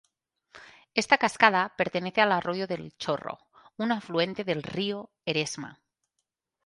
Esta cascada pertenece al arroyo del Chorro, un afluente del río Eresma.